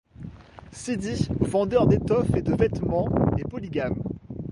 Sidi, vendeur d'étoffes et de vêtements, est polygame.